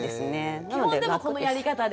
基本でもこのやり方で。